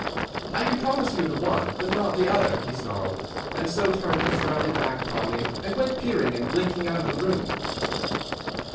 "'I can promise you the one, but not the other,' he snarled, and so turned his rounded back upon me, and went peering and blinking out of the room.